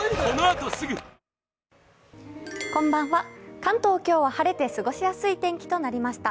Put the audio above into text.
関東、今日は晴れて過ごしやすい天気となりました。